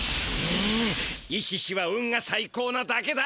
イシシは運がさい高なだけだ。